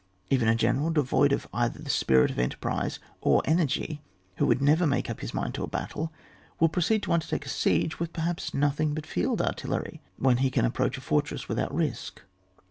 Even a general, devoid of either the spirit of enterprise or energy, who would never make up his mind to a battle, will proceed to undertake a siege with perhaps nothing but field artillery, when he can approach a fortress without risk.